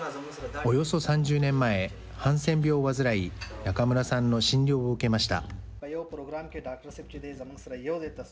およそ３０年前、ハンセン病を患い、中村さんの診療を受けました。